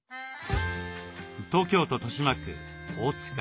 東京都豊島区大塚。